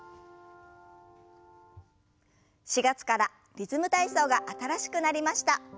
４月から「リズム体操」が新しくなりました。